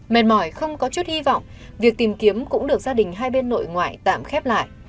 mệt mỏi không có chút hy vọng việc tìm kiếm cũng được gia đình hai bên nội ngoại tạm khép lại